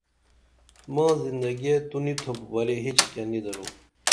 ماں زندگیہ تو نی تُھوپ ورے ہچکیہ نی درو